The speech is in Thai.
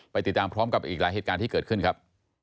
ติดตามพร้อมกับอีกหลายเหตุการณ์ที่เกิดขึ้นครับ